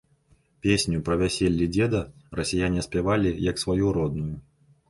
Песню пра вяселлі дзеда расіяне спявалі, як сваю родную.